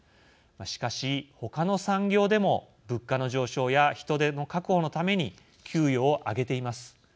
しかし、他の産業でも物価の上昇や人手の確保のために給与を上げています。